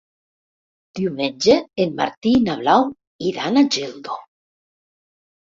Diumenge en Martí i na Blau iran a Geldo.